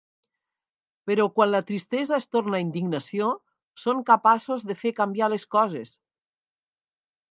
Però quan la tristesa es torna indignació, són capaços de fer canviar les coses.